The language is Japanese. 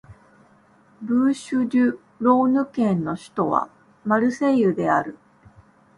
ブーシュ＝デュ＝ローヌ県の県都はマルセイユである